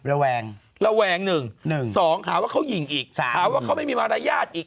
ระแวงระแวง๑๒หาว่าเขายิงอีกหาว่าเขาไม่มีมารยาทอีก